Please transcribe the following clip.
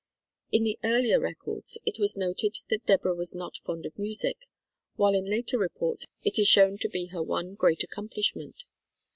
In the earlier records it was noted that Deborah was not fond of music, while in later reports it is shown to be her one great accomplishment.